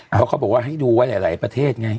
เพราะเขาบอกว่าให้ดูไว้หลายประเทศไง